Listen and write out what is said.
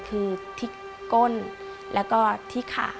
คือที่ก้นแล้วก็ที่ขา